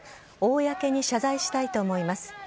公に謝罪したいと思います。